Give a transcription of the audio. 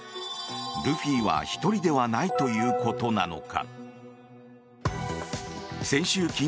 ルフィは１人ではないということなのか。